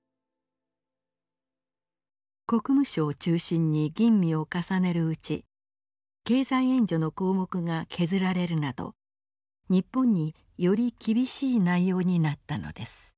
国務省を中心に吟味を重ねるうち経済援助の項目が削られるなど日本により厳しい内容になったのです。